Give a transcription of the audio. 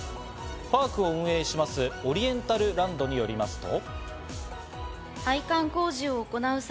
パークを運営しますオリエンタルランドによりますと。